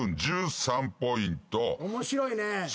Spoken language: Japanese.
面白いね。